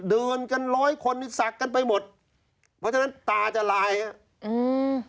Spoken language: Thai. เดินกันร้อยคนนี่ศักดิ์กันไปหมดเพราะฉะนั้นตาจะลายฮะอืม